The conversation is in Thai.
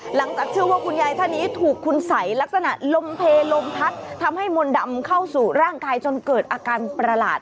หลังจากเชื่อว่าคุณยายท่านนี้ถูกคุณสัยลักษณะลมเพลลมพัดทำให้มนต์ดำเข้าสู่ร่างกายจนเกิดอาการประหลาด